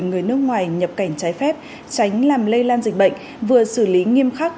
người nước ngoài nhập cảnh trái phép tránh làm lây lan dịch bệnh vừa xử lý nghiêm khắc